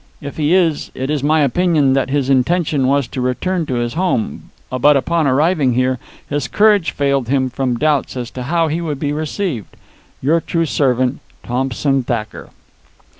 If he is, it is my opinion that his intention was to return to his home, but upon arriving here, his courage failed him from doubts as to how he would be received. Your true servant, THOMPSON THACKER.